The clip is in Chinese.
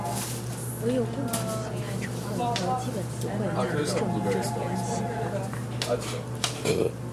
惟有共同的形态成分和基本词汇才能证明这种关系。